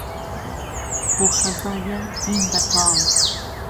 بۆ خهزایه دین بهتاڵ